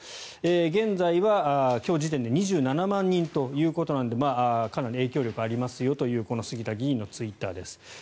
現在は今日時点で２７万人ということなのでかなり影響力がありますよという杉田議員のツイッターです。